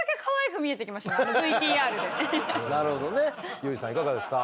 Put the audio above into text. ユージさんいかがですか？